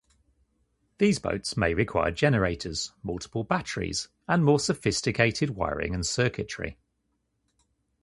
These boats may require generators, multiple batteries, and more sophisticated wiring and circuitry.